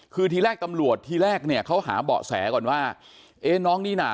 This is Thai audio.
คือทีแรกตำรวจทีแรกเนี่ยเขาหาเบาะแสก่อนว่าเอ๊ะน้องนี่น่ะ